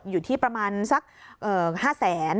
อยู่ที่ประมาณสัก๕แสน